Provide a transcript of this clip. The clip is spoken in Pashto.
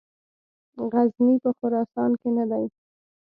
غزني په خراسان کې نه دی.